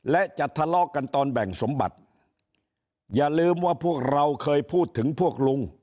และจะทะเลาะกันตอนแบ่งสมบัติอย่าลืมว่าพวกเราเคยพูดถึงพวกลุง